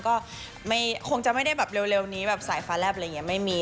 ก็คงจะไม่ได้แบบเร็วนี้แบบสายฟ้าแลบอะไรอย่างนี้ไม่มี